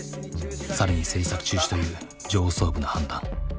更に制作中止という上層部の判断。